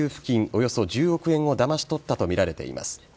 およそ１０億円をだまし取ったとみられています。